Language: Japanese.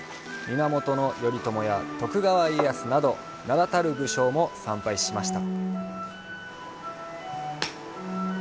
源頼朝や徳川家康など名だたる武将も参拝しました。